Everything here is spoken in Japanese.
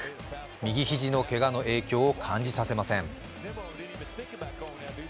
右肘のけがの影響を感じさせません。